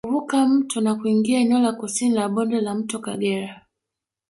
Kuvuka mto na kuingia eneo la kusini la bonde la mto Kagera